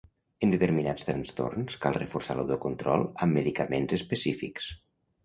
En determinats trastorns cal reforçar l'autocontrol amb medicaments específics.